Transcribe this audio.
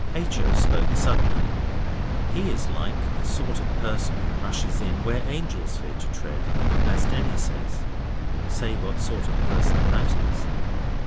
H. O. spoke suddenly. He is like the sort of person who rushes in where angels fear to tread, as Denny says (say what sort of person that is).